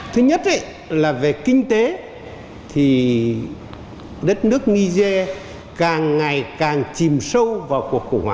thứ nhất là về kinh tế thì đất nước niger càng ngày càng chìm sóc